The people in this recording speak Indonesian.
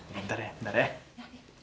bentar ya bentar ya